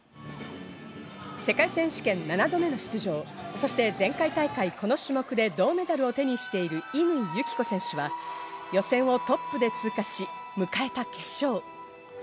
世界選手権７度目の出場、そして前回大会、この種目で銅メダルを手にしている乾友紀子選手は予選をトップで通過し、迎えた決勝。